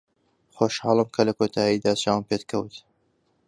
خۆشحاڵم کە لە کۆتاییدا چاوم پێت کەوت.